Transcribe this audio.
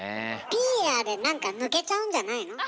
ピーヤで何か抜けちゃうんじゃないの？